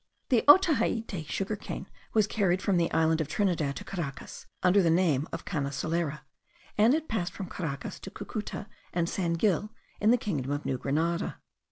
The Otaheite sugar cane was carried from the island of Trinidad to Caracas, under the name of Cana solera, and it passed from Caracas to Cucuta and San Gil in the kingdom of New Grenada.